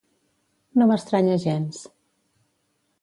No m'estranya gens.